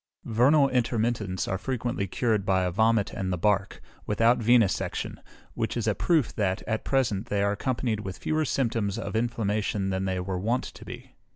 Vernal intermittents are frequently cured by a vomit and the bark, without venæsection, which is a proof that, at present, they are accompanied with fewer symptoms of inflammation than they were wont to be.